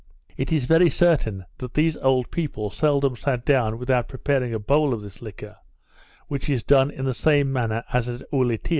It is very certain, that these old people seldom sat down without preparing a bowl of this liquor, which is done in the same manner as at Ulietea.